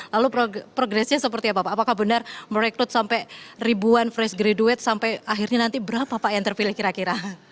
lalu progresnya seperti apa pak apakah benar merekrut sampai ribuan fresh graduate sampai akhirnya nanti berapa pak yang terpilih kira kira